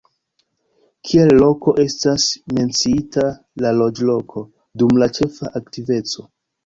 Kiel loko estas menciita la loĝloko dum la ĉefa aktiveco.